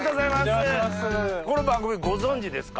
この番組ご存じですか？